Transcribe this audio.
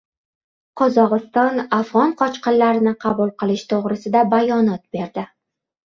Qozog‘iston afg‘on qochqinlarini qabul qilish to‘g‘risida bayonot berdi